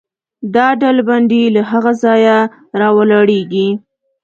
دا ډلبندي له هغه ځایه راولاړېږي.